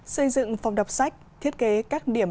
xây dựng phòng đọc sách thiết kế các điểm